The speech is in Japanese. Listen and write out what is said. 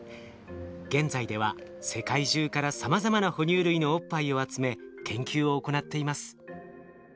現在では世界中からさまざまな哺乳類のおっぱいを集め研究を行っています。